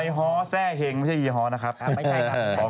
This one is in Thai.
ในฮ้าาะแซ่เฮงไม่ใช่ฮียียเดียวนะครับ